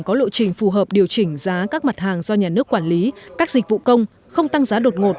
có lộ trình phù hợp điều chỉnh giá các mặt hàng do nhà nước quản lý các dịch vụ công không tăng giá đột ngột